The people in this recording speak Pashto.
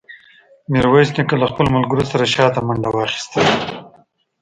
ميرويس نيکه له خپلو ملګرو سره شاته منډه واخيسته.